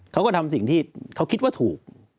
เขาก็ทำสิ่งที่เขาคิดว่าถูก